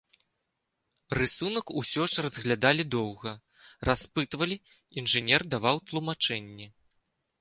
Рысунак усё ж разглядалі доўга, распытвалі, інжынер даваў тлумачэнні.